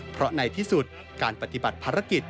เพราะในที่สุดการปฏิบัติภารกิจ